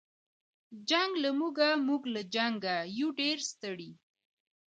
جنګ له موږه موږ له جنګه یو ډېر ستړي